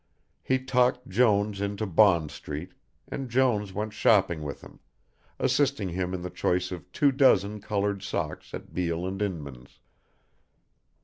He talked Jones into Bond Street, and Jones went shopping with him, assisting him in the choice of two dozen coloured socks at Beale and Inmans.